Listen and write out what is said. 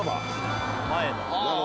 前の。